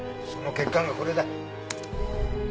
その結果がこれだ。